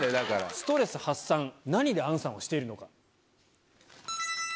ストレス発散何で杏さんはしているのか？